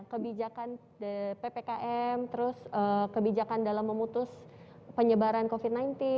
kebijakan ppkm terus kebijakan dalam memutus penyebaran covid sembilan belas